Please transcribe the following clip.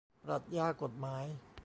ปรัชญากฎหมาย